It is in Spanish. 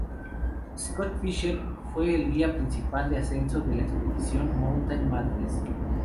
Scott Fischer fue el guía principal de ascenso de la expedición de "Mountain Madness".